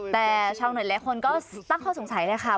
แต่ช่องเหนือแหละคนก็ตั้งเขาสงสัยแหละค่ะ